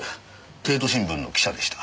帝都新聞の記者でした。